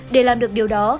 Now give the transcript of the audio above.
để làm được điều đó